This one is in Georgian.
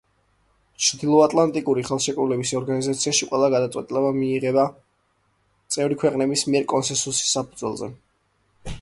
ჩრდილოატლანტიკური ხელშეკრულების ორგანიზაციაში ყველა გადაწყვეტილება მიიღება წევრი ქვეყნების მიერ კონსესუსის საფუძველზე.